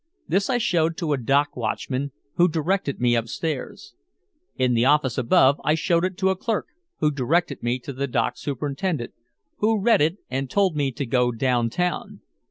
This I showed to a dock watchman, who directed me upstairs. In the office above I showed it to a clerk, who directed me to the dock superintendent, who read it and told me to go downtown.